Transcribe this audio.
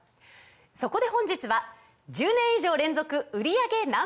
そこで本日は１０年以上連続売り上げＮｏ．１